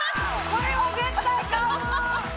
これは絶対買う！